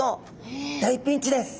大ピンチです。